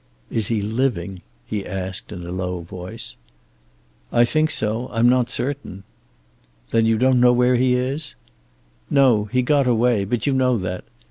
"Is he living?" he asked, in a low voice. "I think so. I'm not certain." "Then you don't know where he is?" "No. He got away but you know that.